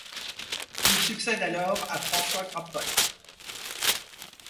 Il succède alors à François Grappotte.